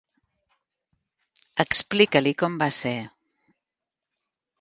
Explica-li com va ser.